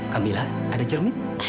kamilah ada cermin